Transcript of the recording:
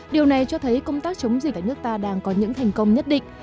điều này cho thấy công tác chống dịch ở nước ta đang có những thành công nhất định